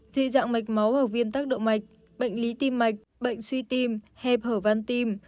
di dạng mạch máu hoặc viêm tắc động mạch bệnh lý tim mạch bệnh suy tim hẹp hở văn tim